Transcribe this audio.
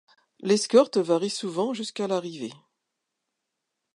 L'escorte varie souvent jusqu'à l'arrivée.